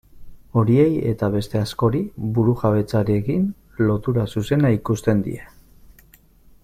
Horiei eta beste askori burujabetzarekin lotura zuzena ikusten die.